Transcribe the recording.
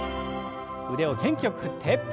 腕を元気よく振って。